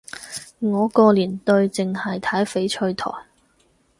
我個年代淨係睇翡翠台